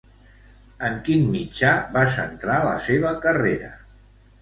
En quin mitjà va centrar la seva carrera?